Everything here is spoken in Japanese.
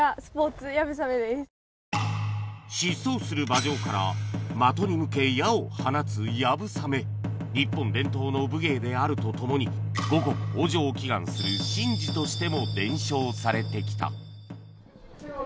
疾走する馬上から的に向け矢を放つ日本伝統の武芸であるとともに五穀豊じょうを祈願する神事としても伝承されてきた